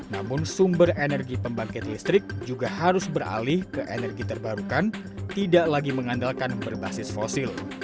namun sumber energi pembangkit listrik juga harus beralih ke energi terbarukan tidak lagi mengandalkan berbasis fosil